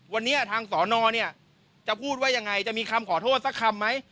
วันนี้ทางสรณอิงจะพูดไว้ยังไงจะมีคำขอโทษสักคำไหม